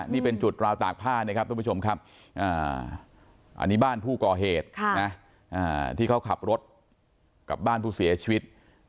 นี่เป็นจุดราวตากผ้านะครับทุกผู้ชมครับอันนี้บ้านผู้ก่อเหตุที่เขาขับรถกับบ้านผู้เสียชีวิต